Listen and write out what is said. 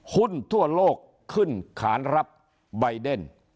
หุ้นทั่วโลกขึ้นขานรับใบเดน